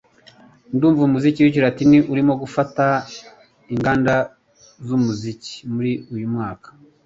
Ndumva umuziki wikilatini urimo gufata inganda zumuziki muri uyu mwaka